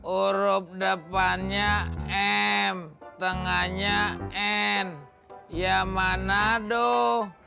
urup depannya m tengahnya n ya mana doh